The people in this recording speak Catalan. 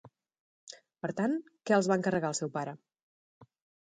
Per tant, què els va encarregar el seu pare?